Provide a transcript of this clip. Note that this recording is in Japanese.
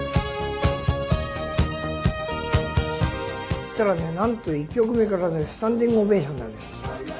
そしたらねなんと１曲目からねスタンディングオベーションなのよ。